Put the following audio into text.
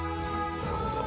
なるほど。